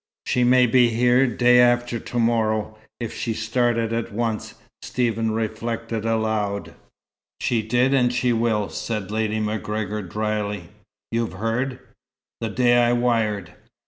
"She may be here day after to morrow, if she started at once," Stephen reflected aloud. "She did, and she will," said Lady MacGregor, drily. "You've heard?" "The day I wired."